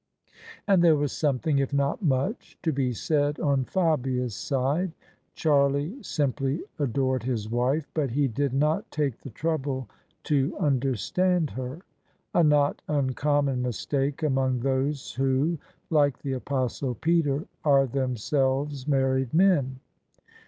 And there was something — if not much — to be said on Fabia's side. Charlie simply adored his wife; but he did not take the trouble to understand her. A not uncommon mistake among those who — ^like the Apostle Peter — ^are themselves married men!